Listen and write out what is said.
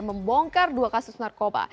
membongkar dua kasus narkoba